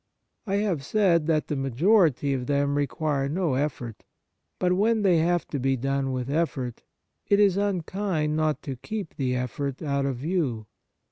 I have said that the majority of them require no effort ; but when they have to be done wnth effort, it is unkind not to keep the effort out of view.